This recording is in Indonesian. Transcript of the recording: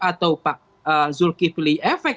atau pak zulkifli efek